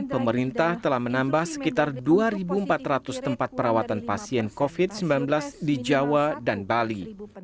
pemerintah telah menambah sekitar dua empat ratus tempat perawatan pasien covid sembilan belas di jawa dan bali